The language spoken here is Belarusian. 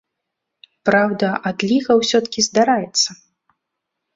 Праўда, адліга ўсё-ткі здараецца.